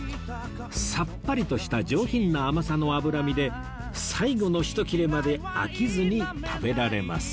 さっぱりとした上品な甘さの脂身で最後の一切れまで飽きずに食べられます